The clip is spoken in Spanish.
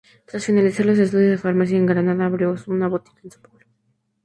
Tras finalizar los estudios de Farmacia en Granada abrió una botica en su pueblo.